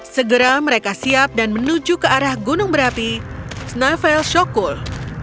segera mereka siap dan menuju ke arah gunung berapi snavel shokul